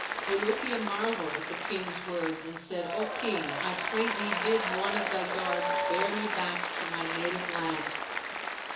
[FN#529]' Bulukiya marvelled at the King's words and said, 'O King, I pray thee bid one of thy guards bear me back to my native land.'